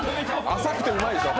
浅くてうまいでしょ？